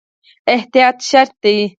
احتیاط شرط دی